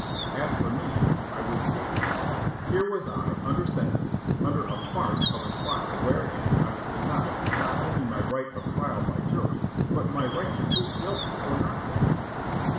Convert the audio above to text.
As for me, I was dazed. Here was I, under sentence, after a farce of a trial wherein I was denied not only my right of trial by jury, but my right to plead guilty or not guilty.